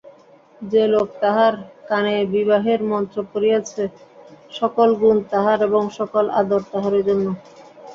যে লোক তাহার কানেবিবাহের মন্ত্র পড়িয়াছে সকল গুণ তাহার এবং সকল আদর তাহারই জন্য।